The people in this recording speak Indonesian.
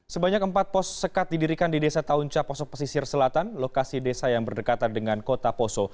sebanyak empat pos sekat didirikan di desa taunca poso pesisir selatan lokasi desa yang berdekatan dengan kota poso